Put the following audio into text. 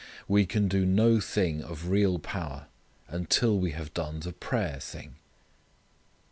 We can do no thing of real power until we have done the prayer thing.